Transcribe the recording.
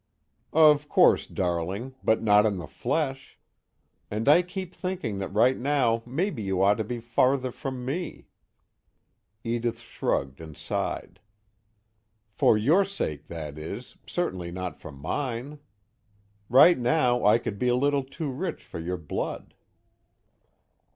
"Of course, darling, but not in the flesh. And I keep thinking that right now maybe you ought to be farther from me." Edith shrugged and sighed. "For your sake, that is, certainly not for mine. Right now I could be a little too rich for your blood."